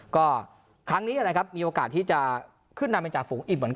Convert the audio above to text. ก็ครั้งนี้นะครับมีโอกาสที่จะขึ้นนำไปจากฝูงอิดเหมือนกัน